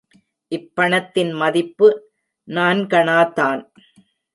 இப் பணத்தின் மதிப்பு நான்கணாதான்.